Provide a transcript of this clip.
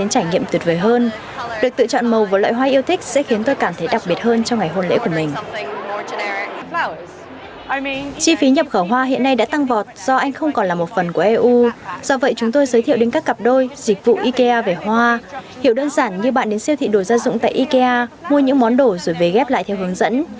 hiểu đơn giản như bạn đến siêu thị đồ gia dụng tại ikea mua những món đồ rồi về ghép lại theo hướng dẫn